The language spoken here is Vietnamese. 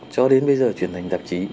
cho đến bây giờ truyền hình tạp chí